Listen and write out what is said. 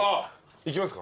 いきますか？